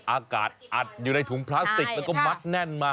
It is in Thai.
อากาศอัดอยู่ในถุงพลาสติกแล้วก็มัดแน่นมา